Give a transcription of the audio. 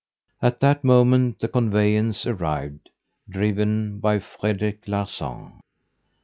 At that moment the conveyance arrived, driven by Frederic Larsan.